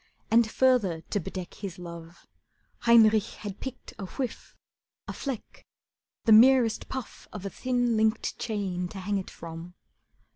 And further to bedeck His love, Heinrich had picked a whiff, a fleck, The merest puff of a thin, linked chain To hang it from.